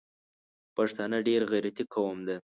پښتانه ډېر غیرتي قوم ده